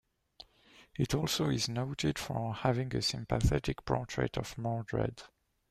It also is noted for having a sympathetic portrait of Mordred.